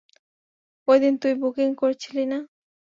ওই দিন তুই বুকিং করেছিলি না?